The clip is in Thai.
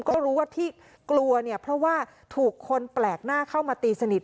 ก็รู้ว่าที่กลัวเนี่ยเพราะว่าถูกคนแปลกหน้าเข้ามาตีสนิท